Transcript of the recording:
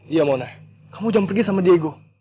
iya mona kamu jam pergi sama diego